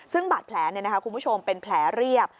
ซึ่งบาดแผลคุณผู้ชมเป็นแผลเรียบ